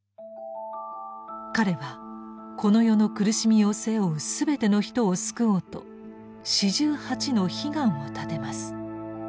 彼はこの世の苦しみを背負う全ての人を救おうと４８の悲願を立てます。